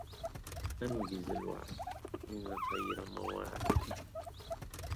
أنجز الوعد إن خير مواعي